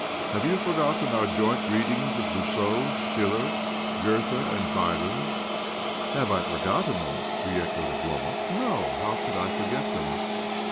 Have you forgotten our joint readings of Rousseau, SchUler, Goethe, and Byron?" "Have I forgotten them?" re echoeid Oblomov. "No. How could I forgtet them?